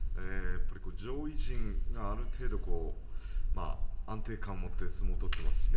上位陣がある程度安定感を持って相撲を取っています。